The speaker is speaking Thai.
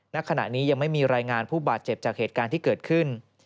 ณขณะนี้ยังไม่มีรายงานผู้บาดเจ็บจากเหตุการณ์ที่เกิดขึ้น